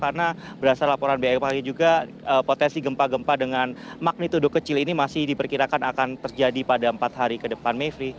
karena berdasarkan laporan bik juga potensi gempa gempa dengan magnetodok kecil ini masih diperkirakan akan terjadi pada empat hari ke depan mevri